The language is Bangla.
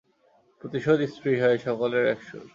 প্রতিশোধ স্পৃহায় সকলের একসুর।